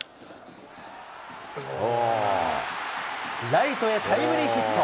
ライトへタイムリーヒット。